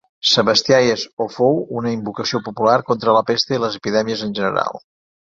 Sebastià és, o fou, una invocació popular contra la Pesta i les epidèmies en general.